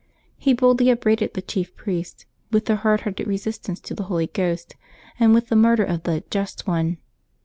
He boldly upbraided the chief priests with their hard hearted resistance to the Holy Ghost and with the murder of the "Just One."